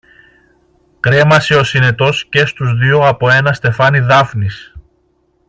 Κρέμασε ο Συνετός και στους δυο από ένα στεφάνι δάφνης.